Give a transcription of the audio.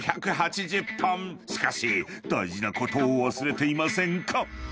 ［しかし大事なことを忘れていませんか？］